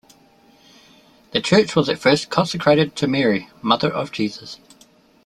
The church was at first consecrated to Mary, mother of Jesus.